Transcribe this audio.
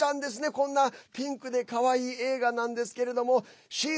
こんなピンクでかわいい映画なんですがｓｈｅ